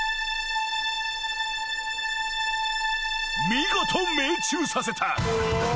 ［見事命中させた］